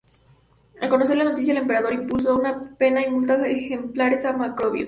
Al conocer la noticia, el emperador impuso una pena y multa ejemplares a Macrobio.